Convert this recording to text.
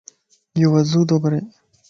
يو وضو تو ڪري